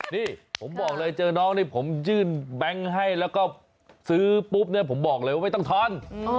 นี่ผมบอกเลยเจอน้องนี่ผมยื่นแบงค์ให้แล้วก็ซื้อปุ๊บเนี่ยผมบอกเลยว่าไม่ต้องทอน